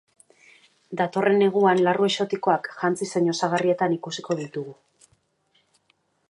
Datorren neguan larru exotikoak jantzi zein osagarrietan ikusiko ditugu.